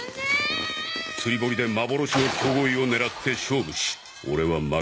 釣り堀で幻の巨鯉を狙って勝負しオレは負けてしまった。